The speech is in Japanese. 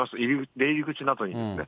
出入り口などにですね。